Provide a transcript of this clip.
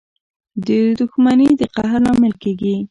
• دښمني د قهر لامل کېږي.